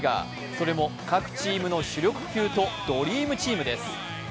それも各チームの主力級と、ドリームチームです。